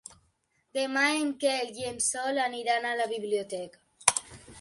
Demà en Quel i en Sol aniran a la biblioteca.